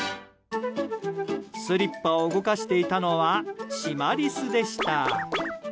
スリッパを動かしてたのはシマリスでした。